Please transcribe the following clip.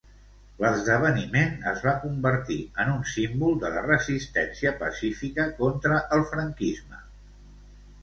L'esdeveniment es va convertir en un símbol de la resistència pacífica contra el franquisme.